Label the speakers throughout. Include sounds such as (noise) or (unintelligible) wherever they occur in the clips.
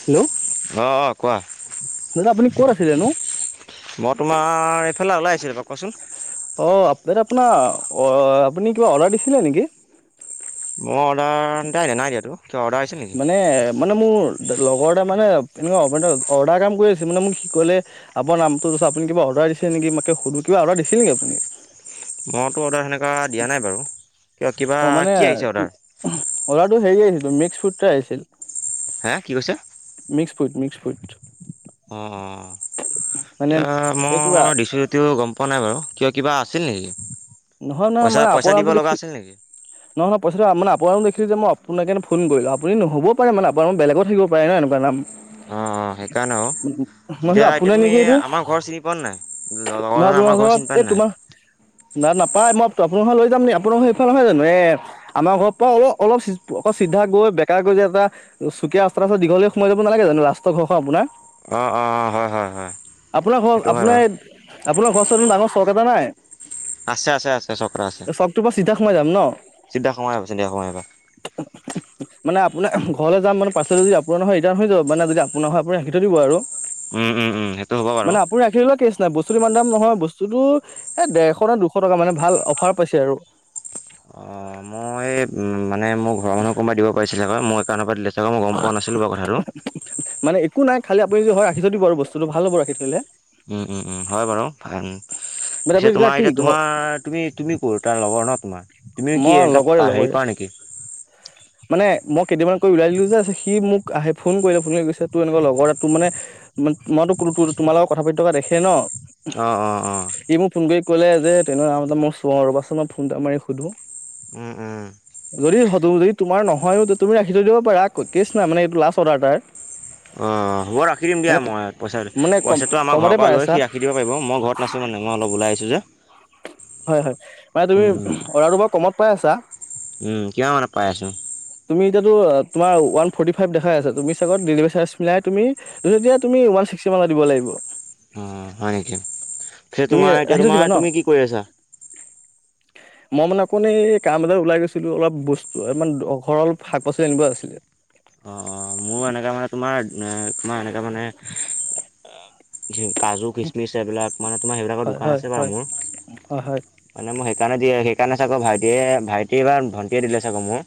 Speaker 1: Hello
Speaker 2: অ অ কোৱা
Speaker 1: দাদা আপুনি ক'ত আছিলেনো
Speaker 2: ইফালে ওলাই আহছিলো ৰবা কোৱাচোন।
Speaker 1: অ আপ্ বাইদেউ আপোনাৰ অ আপুনি কিবা অৰ্ডাৰ দিছিলে নেকি?
Speaker 2: মোৰ অৰ্ডাৰ নাই নাই দিয়াতো কিয় অৰ্ডাৰ আহিছিল নেকি
Speaker 1: মানে মানে মোৰ লগৰ এটা মানে এনেকুৱা অৰ্ডাৰ কাম কৰি আছে মানে মোক সি ক'লে আপোনাৰ নামটো আপুনি কিবা অৰ্ডাৰ দিছে নেকি, মাকে সুধ কিবা অৰ্ডাৰ দিছিল নেকি আপুনি?
Speaker 2: মইতো অৰ্ডাৰ সেনেকা দিয়া নাই বাৰু, কি কিবা
Speaker 1: অ' মানে
Speaker 2: কি আহিছে অৰ্ডাৰ?
Speaker 1: অৰ্ডাৰটো হেৰি আহিছিল মিক্স ফ্ৰুড এটা আহিছিল।
Speaker 2: হে কি কৈছে?
Speaker 1: মিক্স ফুট মিক্স ফুইট
Speaker 2: অ অ এতিয়া
Speaker 1: এই কিবা
Speaker 2: মই দিছো যদিও গম পোৱা নাই বাৰু কিয় কিবা আছিল নেকি
Speaker 1: নহয় নহয়,
Speaker 2: পইচা
Speaker 1: মানে
Speaker 2: পইচা দিব লগা
Speaker 1: (unintelligible)
Speaker 2: আছিল নেকি
Speaker 1: নহ নহয়, পইচাটো মান আপোনালোক দেখিলো যে মই আপানাক সেইকাৰণে ফোন কৰিলোঁ (unintelligible) আপোনালোক বেলেগৰো থাকিব পাৰে ন এনেকুৱা নাম।
Speaker 2: অ অঁ সেইকাৰণে আৰুও
Speaker 1: মই
Speaker 2: এতিয়া
Speaker 1: ভাবিলোঁ
Speaker 2: এতিয়া
Speaker 1: আপোনাৰ
Speaker 2: তুমি
Speaker 1: নেকি এইটো
Speaker 2: আমাৰ ঘৰ চিনি পোৱা ন নাই
Speaker 1: নহয়
Speaker 2: লগৰজনে আমাৰ ঘৰ
Speaker 1: আপোনালোকৰ
Speaker 2: চিনি পাই
Speaker 1: এই তোমাৰ না নাপায় মই আপোনালোক লৈ যাম নি আপোনালোক স সেইফাল নহয় জানো। আমাৰ ঘৰৰ পৰা অলপ অলপ অ চিধা গৈ বেকাৰ গৈ যে এটা চুকীয়া ৰাস্তা এটা আছে দীঘল। ফালে সোমায় যাব নালাগে জানো লাষ্টৰ ঘৰ আপোনাৰ
Speaker 2: অঁ অঁ অঁ হয় হয় হয়
Speaker 1: আপোনাৰ ঘৰ
Speaker 2: সেইটো হয়
Speaker 1: আপোনাৰ
Speaker 2: বাৰু
Speaker 1: এই আপোনাৰ ঘৰ উচৰ ৰাস্তাটোত ডাঙৰ চখ এটা নাই,
Speaker 2: আছে আছে আছে চকৰা আছে
Speaker 1: চকটোৰ পৰা চিধা সোমাই যাম ন।
Speaker 2: চিধা সোমাই আহিবা, চিধা সোমাই আহিবা
Speaker 1: মানে আপোন ঘৰলৈ যাম মানে পাৰ্চেল যদি আপোনাৰ নহয় ৰিটাৰ্ণ হৈ যাব মানে যদি আপোনাৰ হয় আপুনি ৰাখি থৈ দিব আৰু
Speaker 2: উম উম উম সেইটো হ'ব বাৰু।
Speaker 1: মানে আপুনি ৰাখি থলেও কেছ নাই বস্তু ইমান দাম নহয় বস্তুতো এ ডেৰশ না দুশ টকা মানে ভাল অফাৰ পাইছে আৰু (inaudible)
Speaker 2: অঁ মই মানে মোৰ ঘৰৰ মানুহক কোনোবা দিব পাৰিছিলে মোৰ একাউণ্টৰ পৰা দিলে। চাগে মই গম পোৱা নাছিলোঁ বাৰু কথাটো।
Speaker 1: মানে একো নাই খালি আপুনি যদি হয় ৰাখি থৈ দিব আৰু বস্তুটো ভাল হব ৰাখি থলে।
Speaker 2: উম, উম, উম, হয় বাৰু ভাল
Speaker 1: মানে
Speaker 2: পিছে
Speaker 1: আপুনি তেতিয়া
Speaker 2: তোমাৰ
Speaker 1: কি
Speaker 2: এতিয়া
Speaker 1: ঘৰ
Speaker 2: তোমাৰ তুমি তুমি কোন তাৰ লগৰ ন তোমাৰ। তুমি কি
Speaker 1: মই লগৰে
Speaker 2: এনেকা
Speaker 1: লগৰে
Speaker 2: হেৰি কৰা নেকি।
Speaker 1: (inaudible) মানে মই কেইদিনান কৰি ওলাই দিলোঁ যে। সি মোক আহে ফোন কৰিলে ফোন কৰি কৈছে তোৰ এনেকুৱা লগৰ এটা তোৰ মানে ম মইতো তোমালোকত কথা পাতি থকা দেখে ন।
Speaker 2: অঁ অঁ অঁ
Speaker 1: ই মোক ফোন কৰি কলে যে তেনে নাম এটা মই চুৱ ৰ পাছত মই ফোন এটা মাৰি সুধো
Speaker 2: উম উম।
Speaker 1: যদি (unintelligible) যদি তোমাৰ নহয়ও তুমি ৰাখি থৈ দিব পাৰা। কেছ নাই, মানে এইটো লাষ্ট অৰ্ডাৰ তাৰ।
Speaker 2: অ'। অঁ হ'ব ৰাখি দিম দিয়া
Speaker 1: মানে
Speaker 2: মই, পইচা
Speaker 1: মানে কম
Speaker 2: পইচাটো আমাৰ ঘৰৰ
Speaker 1: কমতে
Speaker 2: পৰা
Speaker 1: পাই
Speaker 2: লৈ
Speaker 1: আছা
Speaker 2: সি ৰাখি দিব পাৰিব মই ঘৰত নাচো মানে, মই অলপ ওলাই আহিছোঁ যে।
Speaker 1: হয়-হয় মানে তুমি অৰ্ডাৰটো বৰ কমত পাই আছা।
Speaker 2: উ, কিমান মানত পাই আছো।
Speaker 1: তুমি এতিয়াটো তোমাৰ ওৱান ফৰ্টি ফাইভ দেখাই আছে তুমি চাগত (unintelligible) ডেলিভাৰী চাৰ্জ মিলাই তুমি যেতিয়া তুমি ওৱান (unintelligible) মেলা দিব লাগিব।
Speaker 2: অ, হয় নেকি?
Speaker 1: তুমি
Speaker 2: তোমাৰ এতিয়া
Speaker 1: ৰাখি থৈ দিবা ন
Speaker 2: তোমাৰ তুমি কি কৰি আছা।
Speaker 1: (unintelligible) মই মানে অকৌ এই কাম বজাৰ ওলাই গৈছিলো অলপ বস্তুমান ঘৰ অলপ শাক-পাচলি আনিব আছিলে।
Speaker 2: অ অ মোৰ এনেকা মানে তোমাৰ- তোমাৰ এনেকা মানে কাজু, খিচমিচ এইবিলাক মানে তোমাৰ সেইবিলাকৰ
Speaker 1: হয়
Speaker 2: দোকান
Speaker 1: হয়
Speaker 2: আছে বাৰু
Speaker 1: হয়
Speaker 2: মোৰ
Speaker 1: হয় হয়।
Speaker 2: মানে মই সেইকাৰণে সেয়ে সেইকাৰণে চাগে ভাইটিয়ে ভাইটিয়ে বা ভণ্টিয়ে দিলে চাগে মোৰ।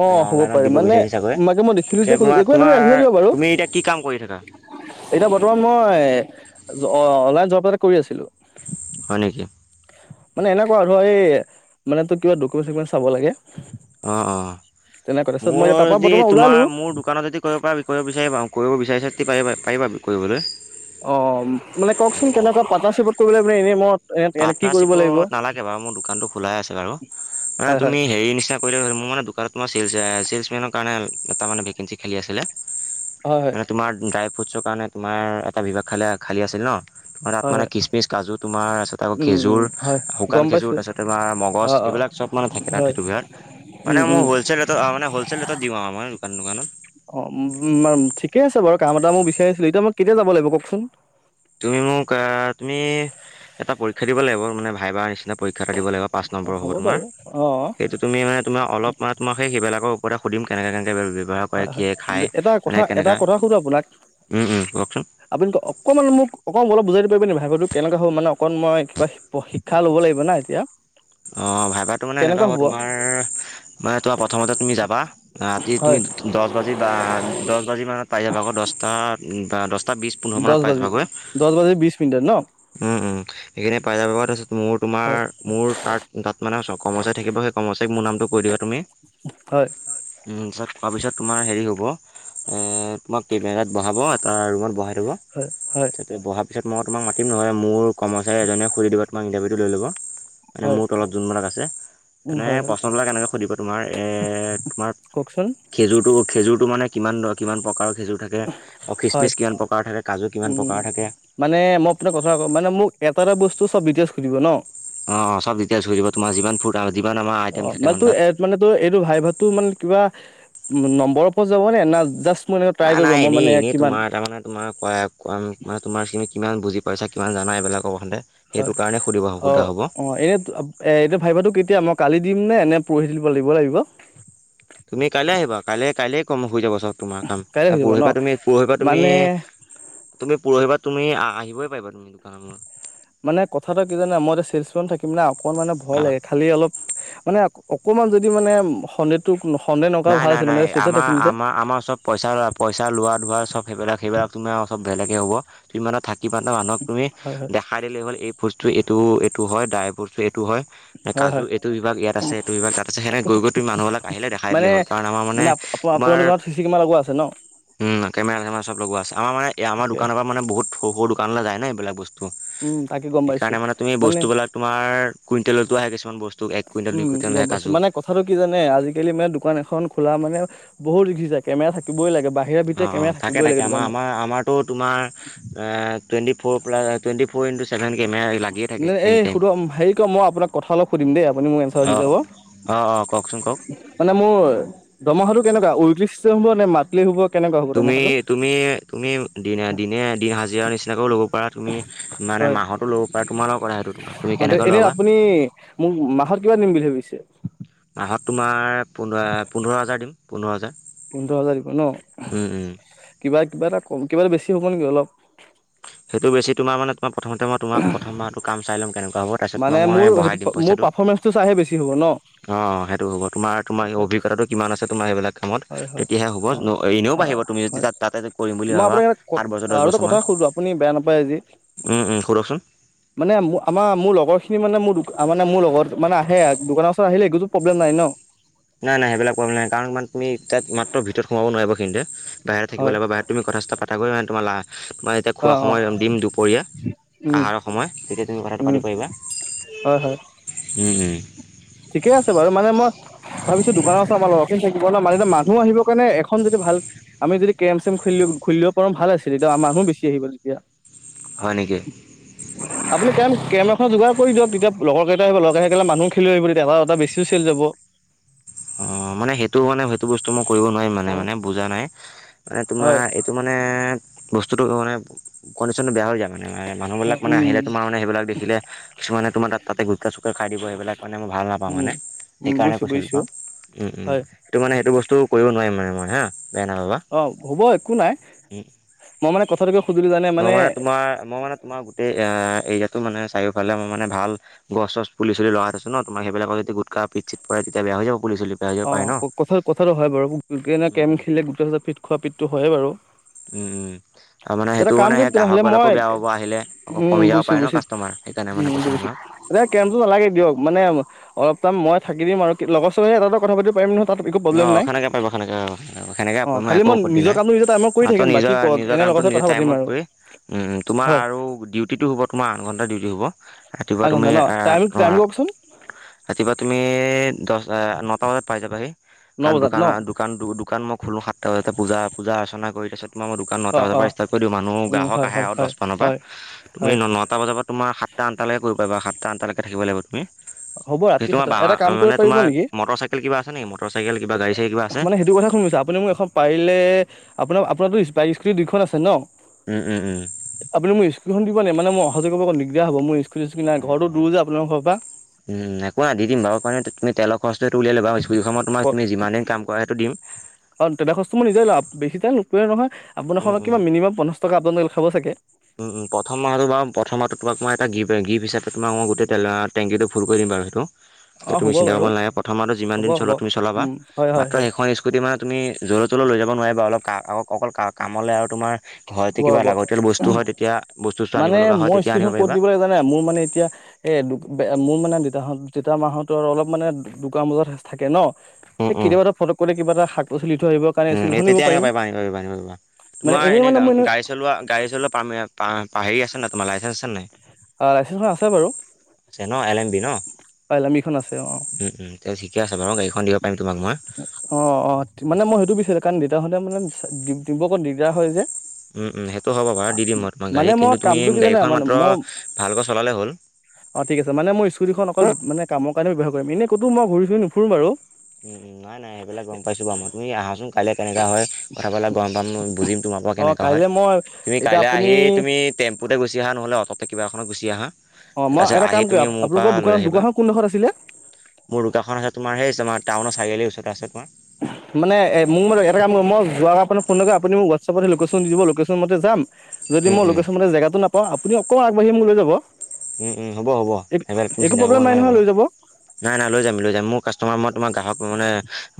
Speaker 1: অ' হ'ব
Speaker 2: অনলাইনত
Speaker 1: পাৰে
Speaker 2: দিব
Speaker 1: মানে,
Speaker 2: বিচাৰিছে চাগৈ
Speaker 1: মানে মই দেখিলো
Speaker 2: পিছে
Speaker 1: যে
Speaker 2: তোমাৰ
Speaker 1: একো
Speaker 2: তোমাৰ
Speaker 1: ৰাখিব দিব বাৰু
Speaker 2: তুমি এতিয়া কি কাম কৰি থাকা
Speaker 1: এতিয়া বৰ্তমান মই মই, অ অনলাইন জব এটা কৰি আছিলো।
Speaker 2: হয় নেকি
Speaker 1: মানে এনেকুৱা ধৰ এই মানে তো কিবা ডকুমেণ্ট চকুমেণ্ট চাব লাগে।
Speaker 2: অ'-অ'।
Speaker 1: তেনে
Speaker 2: মোৰ যদি তোমাৰ মোৰ দোকানত যদি কৰিব পৰা কৰিব বিচাৰিবা কৰিব বিচাৰিছা পাৰিবা কৰিবলৈ।
Speaker 1: অ মানে কওকচোন কেনেকুৱা? পাৰ্টনাৰশ্বিপত কৰিবলৈ এনেই মত
Speaker 2: পাৰ্টনাৰশ্বিপত নালাগে বাৰু মোৰ দোকানটো খোলাই আছে বাৰু।
Speaker 1: হয়
Speaker 2: মানে
Speaker 1: হয়
Speaker 2: তুমি হেৰি নিচিনা কৰিলে মোৰ মানে দোকানত তোমাৰ চেলচ, চেলচমেনৰ কাৰণে এটা মানে ভেকেঞ্চি খালি আছিলে
Speaker 1: হয় হয়।
Speaker 2: মানে তোমাৰ ড্ৰাইভ ফুডছৰ কাৰণে তোমাৰ এটা বিভাগ খালে খালী আছিল ন' তোমাৰ তাত
Speaker 1: হয়
Speaker 2: মানে
Speaker 1: হয়
Speaker 2: কিচমিচ, কাজু তোমাৰ তাৰপিছতে আকৌ
Speaker 1: উম উম
Speaker 2: খেজুৰ,
Speaker 1: হয় গম
Speaker 2: শুকান খেজুৰ
Speaker 1: পাইছোঁ।
Speaker 2: তাৰপিছত তোমাৰ মগজ
Speaker 1: অ' অ'
Speaker 2: এইবিলাক চব মানে থাকে তাত
Speaker 1: হয়
Speaker 2: সেইটো বিয়ৰত
Speaker 1: উম
Speaker 2: মানে
Speaker 1: উম
Speaker 2: মোৰ হ'লচেল ৰেটত মান হলচেল টত দিওঁ আৰু মই দোকান দোকানত।
Speaker 1: অ' উ ঠিকে আছে বাৰু কাম এটা মই বিচাৰিছিলো এতিয়া মই কেতিয়া যাব লাগিব কওঁকচোন।
Speaker 2: তুমি মোক অ' তুমি এটা পৰীক্ষা দিব লাগিব মানে ভাইভা নিচিনা। নে পৰীক্ষা এটা থাকিব লাগিব। পাচ
Speaker 1: অ
Speaker 2: নম্বৰ হ'ব তোমাৰ
Speaker 1: বাৰু অ
Speaker 2: সেইটো তুমি মানে তোমাৰ অলপ মানে তোমাৰ সেইবিলাকৰ ওপৰতে সুধিম কেনেকে কেনেক
Speaker 1: হয়, হয় এটা কথা এটা কথা সুধো আপোনাক
Speaker 2: কওকচোন
Speaker 1: আপুনি অকমান মোক অকণ মোক অলপ বুজাই দিবি পাৰিব নেকি ভাই ভাইটো কেনেকে হ'ল মানে অকন মই কিবা শিক্ষা ল'ব লাগিব না এতিয়া।
Speaker 2: অ' ভাইভাইটো মানে এনেকুৱা হ'ব তোমাৰ মানে তোমাৰ প্ৰথমতে তুমি যাবা, ৰাতি
Speaker 1: হয়
Speaker 2: তুমি দহ বাজি বা দহ বাজি মানত পাই যাব, আকৌ দহটা বা দহ তাত বিশ পোন্ধৰ
Speaker 1: দহ
Speaker 2: মানত পায়
Speaker 1: বাজি
Speaker 2: যাবা গৈ।
Speaker 1: দহ বাজি বিশ মিনিটত ন
Speaker 2: উম, উম। সেইখিনি পাই যাবগৈ। তাৰপিছত মোৰ তোমাৰ
Speaker 1: হয়
Speaker 2: মোৰ তাত তাত মানে কৰ্মচাৰিৰ থাকিব। সেই কৰ্মচাৰিৰ মোৰ নামটো কৈ দিবা তুমি
Speaker 1: হয়
Speaker 2: উম, তাত কোৱা পিছত তোমাৰ হেৰি হ'ব এয়ে তোমাক কেমেৰাত বহাব এটাৰুমত বহাই দিব,
Speaker 1: হয় হয়
Speaker 2: তাতে বহাৰ পিছত মই তোমাক মাতি টিম নহয় মোৰ কৰ্মচাৰী এজনে সুধি দিব তোমাক ইণ্টাৰভিউটো লৈ ল'ব।
Speaker 1: হয়।
Speaker 2: যোন মানত আছে।
Speaker 1: উম
Speaker 2: এনে
Speaker 1: হয় হয়
Speaker 2: প্ৰশ্নবিলাক এনেকৈ সুধিব তোমাৰ এ তোমাৰ
Speaker 1: কওকচোন
Speaker 2: খেজুৰতটো খেজুৰতটো মানে কিমান ধৰ কিমান প্ৰকাৰৰ খেজুৰ থাকে,
Speaker 1: হয়
Speaker 2: খিচমিচ কিমান প্ৰকাৰৰ থাকে, কাজু কিমান
Speaker 1: উম
Speaker 2: প্ৰকাৰৰ থাকে।
Speaker 1: মানে মই আপোন কথা কওঁ মানে মোক এটা এটা বস্তু চ'ব ডিটেইলছ সুধিব ন
Speaker 2: অ' অ' চ'ব ডিটেইলছ সুধিব তোমাৰ যিমান ফুট আ
Speaker 1: অ' মানে তোৰ এ তোৰ মানে তোৰ এইটো ভাই ভাতটো মানে কিবা নম্বৰৰ ওপৰত যাব নে জাষ্ট মোৰ এনেকে ট্ৰাই কৰিব
Speaker 2: আহানাই
Speaker 1: মই
Speaker 2: এনেই
Speaker 1: মানে
Speaker 2: এনেই
Speaker 1: কিমান
Speaker 2: তোমাৰ তাৰমানে মানে কিমান বুজি পইচা কিমান জানা এইবিলাকো সুধে।
Speaker 1: হয়, অ' অ' এনে এই এতিয়া ভাইভাইটো কেতিয়া মোক কালি দিম নে এনে পৰহি দিব লাগিব লাগিব।
Speaker 2: তুমি কাইলৈ আহিবা, কাইলৈ কাইলে কম হৈ যাব তোমাৰ কাম,
Speaker 1: কাইলৈ
Speaker 2: অ
Speaker 1: হৈ যাব ন
Speaker 2: পৰহিপা তুমি, পৰহিপা তুমি,
Speaker 1: মানে
Speaker 2: তুমি পৰহিপা তুমি আ আহিবই পাৰিবা তুমি, দোকানলৈ
Speaker 1: মানে কথাটো কি জানা, মই এতিয়া চেলচ মেন থাকিম না, অকণ মানে ভয়
Speaker 2: অঁ
Speaker 1: লাগে, খালি অলপ, মানে আক অকণমান যদি মানে সন্দেহটো সন্দেহ নকৰা
Speaker 2: নাই,
Speaker 1: ভাল
Speaker 2: নাই,
Speaker 1: আছে মানে
Speaker 2: নাই।
Speaker 1: চেলচত
Speaker 2: আমাৰ,
Speaker 1: থাকিম যে
Speaker 2: আমাৰ, আমাৰ চব পইচা ল পইচা লোৱা ধোৱা চব সেইবিলাক সেইবিলাক তোমাৰ ওচ বেলেগ হে হ'ব। তুমি মানে থাকিবা ন, মানুহক তুমি
Speaker 1: হয় হয়
Speaker 2: দেখাই দিলেই হ'ল এই ফোইতচটো এইটো, এইটো হয়, ডাই ফুইটচ টো এইটো হয়,
Speaker 1: হয়
Speaker 2: কাজু
Speaker 1: হয়
Speaker 2: এইটো বিভাগ ইয়াত আছে, এইটো বিভাগ তাত আছে, সেনেকে গৈ গৈ তুমি মানুহবিলাক আহিলে দেখা খাই
Speaker 1: মানে
Speaker 2: দিলেই হ'ল। কাৰণ আমাৰ মানে তোমাৰ
Speaker 1: আপোনাৰ দোকানত চি চি কেমেৰা লগোৱা আছে ন
Speaker 2: উম, কেমেৰা চেমেৰা চব লগোৱা আছে। আমাৰ মানে আমাৰ
Speaker 1: ঠিকে
Speaker 2: দোকানৰ
Speaker 1: আছে
Speaker 2: পৰা মানে বহুত সৰু সৰু দোকানলৈ যায় ন এইবিলাক বচ তু।
Speaker 1: উম তাকে গম পাইছো
Speaker 2: সেইকাৰণে মানে তুমি বস্তুবিলাক তোমাৰ কুইন্টেলতো আহে কিছুমান বস্তু, এক কুইণ্টেল, দুই
Speaker 1: উম,
Speaker 2: কু
Speaker 1: গম পাইছোঁ, মানে কথাটো কি জানে, আজিকালি মানে দোকান এখ খন খোলা মানে বহুত (unintelligible) কেমেৰা থাকিবই লাগে। বাহিৰে ভিতৰে
Speaker 2: অ',
Speaker 1: কেমেৰা
Speaker 2: থাকে,
Speaker 1: থাকিবই
Speaker 2: থাকে।
Speaker 1: লাগে
Speaker 2: আমাৰ,
Speaker 1: দোকানত।
Speaker 2: আমাৰ, আমাৰতো তোমাৰ এ twenty four plus twenty four into seven camera লাগিয়ে থাকে
Speaker 1: নে এই
Speaker 2: এনিটাইম,
Speaker 1: সুধো হেৰি ক মই আপোনাক কথা অলপ সুধিম দেই আপুনি মোক এনচাৰ দি
Speaker 2: অ'
Speaker 1: যাব
Speaker 2: অ, অ, কওকচোন কওক
Speaker 1: মানে মোৰ দৰমহাটো কেনেকুৱা, উইকলি চিষ্টেম হ'ব নে মান্থলি হ'ব কেনেকুৱা হ'ব
Speaker 2: তুমি,
Speaker 1: দৰমহাটো?
Speaker 2: তুমি, তুমি দিনে দিনে দিন হাজিৰাও নিচিনাকেও ল'ব পৰা তুমি মানে
Speaker 1: হয়,
Speaker 2: মাহতো ল'ব পাৰা তোমাৰ লগত কথা সেইটো তোমাৰ তুমি কেনেকৈ
Speaker 1: এনে
Speaker 2: ল'বা
Speaker 1: আপুনি মোক মাহত কিমান দিম বুলি ভাবিছে? (inaudible)
Speaker 2: মাহত তোমাৰ পোন পোন্ধৰ হাজাৰ দিম, পোন্ধৰ হাজাৰ।
Speaker 1: পোন্ধৰ হাজাৰ দিব ন,
Speaker 2: উম উম
Speaker 1: কিবা, কিবা এটা কম কিবা এটা বেছি হ'ব নেকি অলপ?
Speaker 2: সেইটো বেছি তোমাৰ মানে তই প্ৰথমতে মই তোমাক প্ৰথম মাহটো কাম চাই ল'ম কেনেকুৱা হ'ব তাৰপিছত
Speaker 1: মানে
Speaker 2: মৰা
Speaker 1: মোৰ
Speaker 2: মই বঢ়াই
Speaker 1: সেইটো
Speaker 2: দিম
Speaker 1: মোৰ
Speaker 2: পইচাটো।
Speaker 1: পাৰফৰ্মেন্ঞ্চটো চাইহে বেছি হ'ব ন?
Speaker 2: অ সেইটো হ'ব তোমাৰ তোমাৰ অভিজ্ঞতাটো কিমান আছে তোমাৰ সেইবিলাক। কামত
Speaker 1: হয় হয়
Speaker 2: তেতিয়াহে হ'ব এনেও
Speaker 1: হয়
Speaker 2: বাঢ়িব তুমি যদি
Speaker 1: হয়।
Speaker 2: ত তাতে কৰিম বুলি
Speaker 1: মই
Speaker 2: ভাবা
Speaker 1: আপোনাক এটা
Speaker 2: সাত বছৰ দহ
Speaker 1: আৰু এটা
Speaker 2: বছৰ মান।
Speaker 1: কথা সুধো আপুনি বেয়া নাপায় আজি।
Speaker 2: উম সুধকচোন।
Speaker 1: মানে আমাৰ মোৰ লগৰ খিনি মানে মোৰ মানে মোৰ লগৰত মানে আহে দোকানৰ ওচৰত আহে একতো প্ৰব্লেম নাই ন।
Speaker 2: নাই নাই সেইবিলাক প্ৰব্লেম নাই কাৰণ তুমি তাত মাত্ৰ ভিতৰত সোমাব নোৱাৰিবা কিন্তু, বাহিৰত থাকিব
Speaker 1: হয়
Speaker 2: লাগিব বাহিৰত তুমি কথা চাটা পাকা কৰি মানে তোমাৰ লা তোমাৰ এতিয়া
Speaker 1: অ
Speaker 2: খোৱা
Speaker 1: অ
Speaker 2: সময় দিম দুপৰীয়া।
Speaker 1: উম
Speaker 2: আহাৰৰ সময় তেতিয়া তুমি কথাটো
Speaker 1: উম
Speaker 2: পাতি পাৰিবা
Speaker 1: হয় হয়
Speaker 2: উম উম,
Speaker 1: ঠিকে আছে বাৰু মানে মই তাৰ পিছত দোকানৰ আছে আমাৰ লৰাটো থাকিব ন মানে মানুহ আহিব কাৰণে এ যদি ভাল আমি যদি কেম চেম খুলিলো খুলিব দিব পাৰিলে ভাল আছিল এতিয়া আৰ মানুহ বেছি আহিব যেতিয়া
Speaker 2: হয় নেকি
Speaker 1: আপুনি কে কেন এখন যোগাৰ কৰি দিয়ক তেতিয়া লগৰ কেইটা আহিব লগৰ থাকিলে মানুহ খিনি আহিব তেতিয়া হ এটা বেচিও চেল যাব
Speaker 2: অ মানে সেইটো মানে সেইটো বস্তু মই কৰিব নোৱাৰিম মানে মানে বুজা নাই মানে তোমাৰ
Speaker 1: হয়
Speaker 2: এইটো মানে বস্তুটো মানে কণ্ডিচনটো বেয়া হৈ যায় মানে মানুবিলাক মানে
Speaker 1: উম
Speaker 2: আহিলে তোমাৰ মানে এইবিলাক দেখিলে কিছুমানে তোমাৰ তাতে গুটখা চুটখাই দিব সেইবিলাক মানে ভাল নাপাওঁ
Speaker 1: উম
Speaker 2: মানে
Speaker 1: উম
Speaker 2: সেইকাৰণে
Speaker 1: বুজিছো
Speaker 2: কৈছিলোঁ
Speaker 1: বুজিছো
Speaker 2: তোমাক উম উম
Speaker 1: হয়
Speaker 2: সেইটো মানে সেইটো বস্তু কৰিব নোৱাৰিম মানে মই হা বেয়া নাপাবা
Speaker 1: অ হব একো নাই মই মানে কথাটোকে
Speaker 2: মই মানে তোমাৰ মই মানে তোমাৰ গোটেই এ এইয়াত তো মানে চাৰিওফালে মানে মই ভাল গছ চচ পুলি চুলি লগাই থইছো ন সেই বিলাকত গুটখা পিক চিক পৰে তেতিয়া বেয়া হয় যাব পুলি চুলি বেয়া হৈ যাব
Speaker 1: অ
Speaker 2: পাৰে ন
Speaker 1: কথা কথাটো হয় বাৰু গেম এ
Speaker 2: উম
Speaker 1: কেম
Speaker 2: উম
Speaker 1: খেলিলে গুটখা খাই পিক খোৱা পিতটো হয়ে আৰু
Speaker 2: উম উম আৰু মানে সেইটো
Speaker 1: কাম
Speaker 2: মানে
Speaker 1: কৰিম
Speaker 2: সেই
Speaker 1: তেনেহ'লে
Speaker 2: গ্ৰাহকবিলাকো
Speaker 1: মই
Speaker 2: বেয়া পাব আহিলে আকৌ
Speaker 1: উম
Speaker 2: কমি যাব
Speaker 1: বুজিছো
Speaker 2: পাৰে ন
Speaker 1: বুজিছো
Speaker 2: কাষ্টমাৰ সেইকাৰণে মানে
Speaker 1: উম
Speaker 2: কৈছো মই
Speaker 1: বুজিছো
Speaker 2: তোমাক
Speaker 1: এ কেমটো নালাগে দিয়ক মানে অলপ টাইম মই থাকি দিম আৰু লগৰ চগৰ লগত এটা দুটা কথা পাতিব পাৰিম নহয় তাত একো
Speaker 2: অ
Speaker 1: প্ৰব্লেম নাই
Speaker 2: সেনকে পাৰিব সেনেকে অ সেনেকে
Speaker 1: অ
Speaker 2: প মই
Speaker 1: খালি
Speaker 2: একো আপত্তি
Speaker 1: নিজৰ
Speaker 2: নাই
Speaker 1: কামটো নিজৰ টাইমত কৰি
Speaker 2: মাত্ৰ
Speaker 1: থাকিম বাকী
Speaker 2: নিজৰ
Speaker 1: কওক
Speaker 2: নিজৰ
Speaker 1: এনে
Speaker 2: কাম
Speaker 1: লগৰ
Speaker 2: কামটো
Speaker 1: লগত
Speaker 2: নিজৰ
Speaker 1: কথা পাতিম আৰু
Speaker 2: টাইমত কৰি উম-উম তোমাৰ
Speaker 1: হয়
Speaker 2: আৰু ডিউতি টো হব তোমাৰ আঠ ঘন্টা ডিউটি হব।
Speaker 1: আঠ
Speaker 2: ৰাতিপুৱা তুমি
Speaker 1: ঘণ্টা
Speaker 2: এ
Speaker 1: ন টাইম
Speaker 2: অ
Speaker 1: টাইম কওকচোন
Speaker 2: ৰাতিপুৱা তুমি দহ নটা বজাত পাই যাবাহি
Speaker 1: ন
Speaker 2: কাৰণ
Speaker 1: বজাত ন
Speaker 2: দোকানৰ দোকান দোকান মই খোলো সাতটা বজাতে পূজা পূজা অৰ্চনা কৰি তাৰ পিছত তোমাৰ মই দোকান নটা
Speaker 1: অ
Speaker 2: বজাৰ
Speaker 1: অ
Speaker 2: পৰা ষ্টাৰ্ট কৰি দিওঁ মানুহ
Speaker 1: উম
Speaker 2: গ্ৰাহক
Speaker 1: হয়
Speaker 2: আহে
Speaker 1: হয়
Speaker 2: আৰু
Speaker 1: হয়
Speaker 2: দছ মানৰ পৰা
Speaker 1: হয়
Speaker 2: তুমি
Speaker 1: হয়
Speaker 2: নটা বজাৰ পৰা তোমাৰ সাত তা আঠটালে কৰিব পাৰিবা সাতটা আঠটা লৈকে থাকিব লাগিব উম
Speaker 1: হ'ব
Speaker 2: কি
Speaker 1: ৰাতি
Speaker 2: তোমাৰ
Speaker 1: সাত
Speaker 2: বা
Speaker 1: এটা কাম
Speaker 2: মানে
Speaker 1: কৰিব পাৰিব
Speaker 2: তোমাৰ
Speaker 1: নেকি
Speaker 2: মটৰ চাইকেল কিবা আছে নিকি ম
Speaker 1: মানে সেইটো কথা শুনিছো আপুনি মোক এখন পাৰিলে আপোনাৰ আপোনাৰ বাইক স্কুটী দুইখন আছে ন
Speaker 2: উম উম উম
Speaker 1: আপুনি মোক স্কুটীখন দিব নে মানে মোৰ অহা সহতে কৰিব অকৌ। দিগদাৰ হব (unintelligible) আপোনালোক ঘৰ পৰা (unintelligible)
Speaker 2: উম একো নাই দি দিম বাৰু উপায় নাই তুমি তেলৰ খৰচ টো উলিয়াই ল'বা স্কুটীখন মই তোমাক যিমানে কাম কৰা হেতু দিম
Speaker 1: অ তেলৰ খৰছ টো মই নিজেই ওলাম বেছি তেল নুপুৰে নহয়
Speaker 2: উম
Speaker 1: আপহেডখলে
Speaker 2: উম
Speaker 1: কিমান মিনিমাম পঞ্চাছ ত আপোনাৰ খাব চাগে
Speaker 2: উম উম প্ৰথম মাহ টো বাৰু প্ৰথম মাহটো তোমাক মই এটা গিফ্ট হিচাপে তোমাক মই গোটেই তেলৰ টেংকিটো ফুল কৰি দিম বাৰু সেইটো
Speaker 1: অ
Speaker 2: সেই তুমি চিন্তা কৰিব নালাগে প্ৰথম মাহটো যিমান দিন চলোৱা তুমি চলাবা
Speaker 1: উম, হয় হয়
Speaker 2: মাত্ৰ
Speaker 1: হয়
Speaker 2: সেইখন স্কুটি মানে তুমি যলৈ তলৈ লৈ যাব অ নোৱাৰিবা অলপ অকল কামলে আৰু তোমাৰ ঘৰতে কিবা লাগতিয়াল বস্তু
Speaker 1: উহ
Speaker 2: হয় তেতিয়া বস্তু চস্তু আনিব
Speaker 1: মানে
Speaker 2: লগা হয়
Speaker 1: মই
Speaker 2: তেতিয়া আনিব
Speaker 1: স্কুটীখন ক'ত
Speaker 2: পাৰিবা।
Speaker 1: দিব লাগিব জানা মোৰ মানে এতিয়া এ (unintelligible) মোৰ মানে দেতাহত দেতা মা হত ৰ আৰু অলপ মানে দুটামান বজালে থাকে ন
Speaker 2: উম
Speaker 1: এই
Speaker 2: উম।
Speaker 1: কেতিয়াবা এটা ফটক কৰি কিবা এটা শাক পাচলি থৈ আহিবৰ কাৰণে
Speaker 2: উম
Speaker 1: স্কুটিখন নিব
Speaker 2: তেতিয়া
Speaker 1: পাৰিম
Speaker 2: পাইবা আনিব পাৰিবা (unintelligible)
Speaker 1: মানে
Speaker 2: তোমাৰ
Speaker 1: এনেই
Speaker 2: এনে
Speaker 1: মানে মই
Speaker 2: দাঙ গাড়ী চলোৱা গাড়ী চলোৱাৰ পা--পাঅ পাঅ হেই আছে নাই তোমাৰ লাইচেঞ্চ আছে নাই
Speaker 1: লাইচেঞ্চখন আছে বাৰু
Speaker 2: আছে ন এল এম বি ন
Speaker 1: এলামিখন আছে অ
Speaker 2: উম উম তে ঠিকে আছে বাৰু গাড়ীখন দি ব
Speaker 1: অ অ মানে মই সেইটো বিচাৰো কাৰণ দুটা হলে মানে দিগ দিবলে দিগদাৰ হয় যে
Speaker 2: উম উম সেইটো হ'ব বাৰু দি দিম মই তোমাক গাড়ী
Speaker 1: মানে মই
Speaker 2: কিন্তু তুমি
Speaker 1: কামটো কি জানে
Speaker 2: গাড়ীখন
Speaker 1: মানে
Speaker 2: মাত্ৰ
Speaker 1: মই
Speaker 2: ভালকৈ চলালে হ'ল
Speaker 1: অ ঠিক আছে মানে মোৰ স্কুটিখন
Speaker 2: অ
Speaker 1: অকল মানে কামৰ কাৰণে ব্যৱহাৰ কৰিম এনে ক'তো মই ঘূৰি ফুৰি নুফুৰো বাৰু
Speaker 2: উম নাই নাই সেইবিলাক গম পাইছো বাৰু মই তুমি আহাচোন কাইলে কেনেকুৱা হয় কথাবিলাক গম পাম মই বুজিম তোমাৰ পৰা
Speaker 1: অ
Speaker 2: কেনেকুৱা হয়
Speaker 1: কাইলে মই
Speaker 2: তুমি
Speaker 1: এতিয়া
Speaker 2: কাইলে
Speaker 1: আপুনি
Speaker 2: আহি তুমি টেম্পুতে গুচি আহা নহ'লে অটো'তে কিবা এখনত গুচি আহা
Speaker 1: অ মই
Speaker 2: তাৰপিছত
Speaker 1: এটা
Speaker 2: আহি
Speaker 1: কাম কৰি
Speaker 2: তুমি মোৰ পৰা
Speaker 1: আপোনালোকৰ
Speaker 2: লৈ
Speaker 1: দোকান
Speaker 2: আহিবা
Speaker 1: দোকানখন কোনডোখৰত আছিলে
Speaker 2: মোৰ দোকান খন এই আছে তোমাৰ টাউনৰ চাৰিআলি ওচৰতে আছে তোমাৰ
Speaker 1: উ (unintelligible) মানে এ মোক মানে এটা কাম কৰিব মই যোৱা আগত ফোন কৰিম আপুনি মোক হোৱাটছপতে লোকেশ্যন দি দিব লোকেশ্যন মতে যাম যদি
Speaker 2: উম
Speaker 1: মই
Speaker 2: উম
Speaker 1: লোকেশ্যন মতে জেগাটো নাপাওঁ আপুনি অকনমান আগবাঢ়ি মোক লৈ যাব।
Speaker 2: উম, উম, হ'ব -হ'ব সেইবিলাক একো চিন্তা কৰিব
Speaker 1: প্ৰব্লেম নাই
Speaker 2: নালাগে
Speaker 1: নহয়
Speaker 2: বাৰু।
Speaker 1: লৈ যাব
Speaker 2: নাই- নাই লৈ যাম, লৈ যাম, মোৰ কাষ্টমাৰ মই তোমাৰ গ্ৰাহক মানে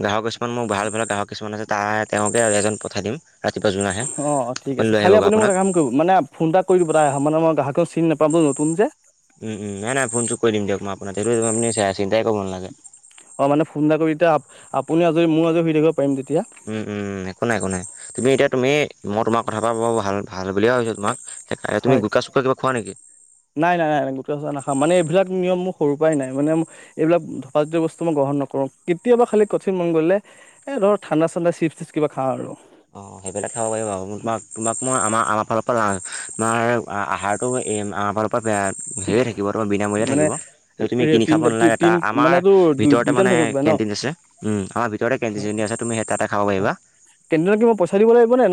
Speaker 2: গ্ৰাহক মান মোৰ ভাল ভাল গ্ৰাহক কিছুমান আছে তাৰ তেওঁকে এজন পঠাই দিম ৰাতিপুৱা যোন আহে
Speaker 1: অ অ ঠিক আছে
Speaker 2: লৈ
Speaker 1: খালি
Speaker 2: আহিবগৈ
Speaker 1: আপুনি মোক
Speaker 2: আপোনাক
Speaker 1: এটা কাম কৰিব, মানে ফোন এটা কৰি দিব তাৰ মানে মই গ্ৰাহক টো চিন নাপাম নতুন যে
Speaker 2: উম, উম, নাই -নাই ফোন চুন কৰি দিম দিয়ক মই আপোনাক (unintelligible) আপোনি চাই আছে
Speaker 1: অ মানে ফোন এটা কৰি এতিয়া, আপুনি আজৰি মইও আজৰি হৈ থাকিব পাৰিম তেতিয়া
Speaker 2: উম, উম একো নাই, একো নাই, তুমি এতিয়া তুমি মই তোমাৰ কথা (unintelligible) ভাল -ভাল বুলিয়ে ভাবিছো তোমাক তুমি
Speaker 1: হয়
Speaker 2: গুটকা চুটকা কিবা খোৱা নেকি
Speaker 1: নাই নাই নাই ন গোটেই চ নাখা মানে এইবিলাক নিয়ম মখ সৰুৰ পৰাই নাই। মানে এইবিলাক ধপাত জাতীয় বস্তু মই গ্ৰহণ নকৰোঁ, কেতিয়াবা খালি কঠিন মন গলে ঠাণ্ডা চান্দা চিপছ্ টিপচ কিবা খাও আৰু
Speaker 2: অ সেইবিলাক খাব পাৰিবা বাৰু, তোমাক -তোমাক মই আমাৰ- আমাৰ ফালৰ অ আমাৰ আহাৰটো এই আমাৰ আ হেৰিয়ে থাকিব তোমাৰ বিনামূলীয়া
Speaker 1: মানে
Speaker 2: থাকিব সেইটো তুমি কিনি খাব
Speaker 1: তিনিটা
Speaker 2: নালাগে
Speaker 1: তিন
Speaker 2: তাৰ
Speaker 1: মানে
Speaker 2: আমাৰ
Speaker 1: তোৰ দুই দুই
Speaker 2: ভিতৰতে
Speaker 1: টাইম
Speaker 2: মানে
Speaker 1: থাকিব
Speaker 2: হে
Speaker 1: কিবা ন
Speaker 2: কেণ্টিন আছে, উম, আমাৰ ভিতৰতে কেণ্টিন চেণ্টিন আছে তুমি সেই তাতে খাব পাৰিবা।
Speaker 1: কেইদিনত পইচা দিব লাগিব না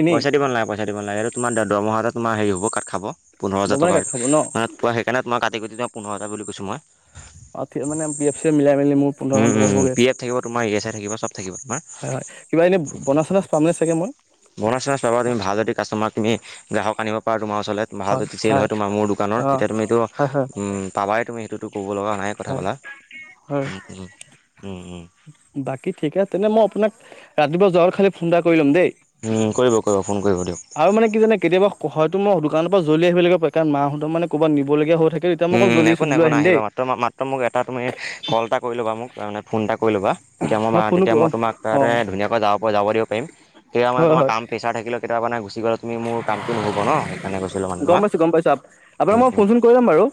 Speaker 1: এনেই
Speaker 2: পইচা দিবালাগেইচা দিব নাগে এইটো তোম দৰমহাটে তোমাৰ হে হব কাট খাব পোন্ধৰ
Speaker 1: দমনে কাট
Speaker 2: হাজাৰটকাৰ
Speaker 1: খাব ন
Speaker 2: মানে পোৱা সেইকাৰণে তোমাক কাটি কুটি তোই পোন্ধৰ হাজাৰ বুলি কছোঁ মই
Speaker 1: অ', মানে এফ মিলাই মেলি মোৰ
Speaker 2: উম
Speaker 1: পোন্ধৰমান
Speaker 2: উম উম
Speaker 1: পাবগে
Speaker 2: পি এফ থাকিব তোমাৰ ইএছাই থাকিব চব থাকিব তোমাৰ
Speaker 1: হয় হয় কিবা এনে বনাছ চনাচ পামনে চাগে মই
Speaker 2: বনাছ চনাছ পাবা তুমি ভাল যদি কাষ্টমাৰ তুমি গ্ৰাহক আনিব পাৰা তোমাৰ ওচৰলে ভাল যদি চেল হয় তোমাৰ মোৰ দোকানৰ
Speaker 1: অ
Speaker 2: তেতিয়া তুমি এইটো
Speaker 1: হয় হয়
Speaker 2: উম পাবাই তুমি সেইটো। টো ক'ব লগা নাই কথা
Speaker 1: হয়
Speaker 2: পাতা
Speaker 1: হয়
Speaker 2: উম উম উম উম।
Speaker 1: বাকী ঠিক আছে তেনে মই আপোনাক ৰাতিপুৱা যোৱ খালি ফোন এটা কৰি লম দেই।
Speaker 2: উম, কৰিব কৰিব ফোন কৰিব দিয়ক
Speaker 1: আৰু মানে কি জানে কেতিয়াবা হয়তো মই দোকানৰ পৰা জল্দি আহিবাগিব প কাৰণ মাহঁত মানে ক'বাত নিবলগীয়া হৈ থাকে তেতিয়া মই
Speaker 2: ন
Speaker 1: জল্দি
Speaker 2: একো
Speaker 1: ছুটি
Speaker 2: নাই
Speaker 1: লৈ
Speaker 2: একো ন
Speaker 1: আহিম দেই
Speaker 2: আহিবা মাত্ৰ মাত্ৰ মোক এটা তুমি কল এটা কৰি ল'বা মোক মানে ফোন এটা কৰি ল'বা তেতিয়া মই মা তেতিয়া মই তোম
Speaker 1: অ
Speaker 2: তাতে ধুনীয়াকৈ যাব পৰা যাবিব পাৰিম কেতিয়া মানে
Speaker 1: হয়
Speaker 2: তোমাৰ
Speaker 1: হয়
Speaker 2: কাম প্ৰেছাৰ থাকিলে কেতিয়াবাানে তুমি মোৰ কামটো নহ'ব ন সেইকাৰণে গৈছিলো মানু
Speaker 1: গম
Speaker 2: তোমাক
Speaker 1: পাইছো গম পাইছো আপোনাক
Speaker 2: উম
Speaker 1: মই ফোন
Speaker 2: উম।
Speaker 1: চোন কৰি ল'ম বাৰু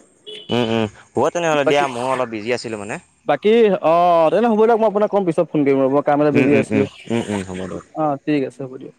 Speaker 2: উম উম বত তেনেহলে দা
Speaker 1: বাকী
Speaker 2: ময়ো অলপ বিজি আছিলো মানে
Speaker 1: বাকী অ তেনে হ'ব দিয়াক মই আপোনাক কম পিছত ফোন কৰিম আৰু কাম এটা
Speaker 2: উম
Speaker 1: বিজি
Speaker 2: উম
Speaker 1: আছিলো
Speaker 2: উম উম উম হ'ব দিয়ক
Speaker 1: অ ঠিক আছে হ'ব দিয়ক